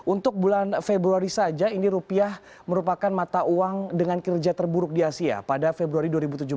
untuk bulan februari saja ini rupiah merupakan mata uang dengan kerja terburuk di asia pada februari dua ribu tujuh belas